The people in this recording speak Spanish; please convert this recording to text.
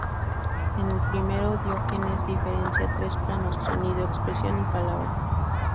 En el primero, Diógenes diferencia tres planos: sonido, expresión y palabra.